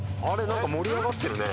何か盛り上がってるね。